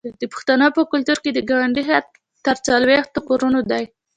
د پښتنو په کلتور کې د ګاونډي حق تر څلوېښتو کورونو دی.